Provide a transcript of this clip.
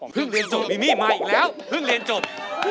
เรียนจบมิมี่มาอีกแล้วเพิ่งเรียนจบ